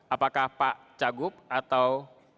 apakah pak cagup atau